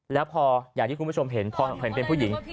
แล้วพออย่างที่คุณผู้ชมเห็นพอเห็นเป็นผู้หญิง